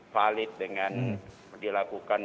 valid dengan dilakukan